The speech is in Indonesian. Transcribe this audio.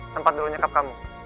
tempat dulu nyekap kamu